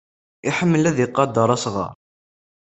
Iḥemmel ad iqedder asɣar.